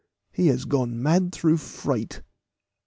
He has gone mad through fright."